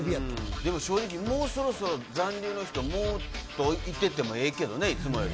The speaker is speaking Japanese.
でも正直、もうそろそろ、残留の人、もっといててもいいけどね、いつもより。